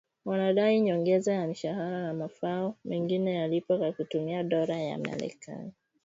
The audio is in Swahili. wanadai nyongeza ya mishahara na mafao mengine yalipwe kwa kutumia dola ya Marekani